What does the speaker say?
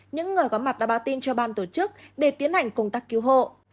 những người có mặt đã báo tin cho ban tổ chức để tiến hành công tác cứu hộ